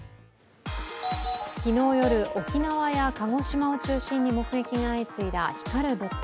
昨日夜、沖縄や鹿児島を中心に目撃が相次いだ光る物体。